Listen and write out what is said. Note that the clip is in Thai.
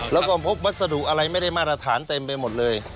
แล้วก็พบวัสดุอะไรไม่ได้มาตรฐานเต็มไปหมดเลย